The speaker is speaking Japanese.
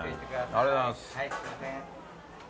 ありがとうございます。